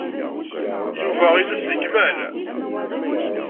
Yuba inu s lekmal.